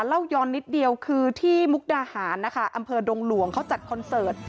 เล่าย้อนนิดเดียวคือที่มุกดาหารนะคะอำเภอดงหลวงเขาจัดคอนเสิร์ต